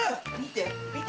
見て！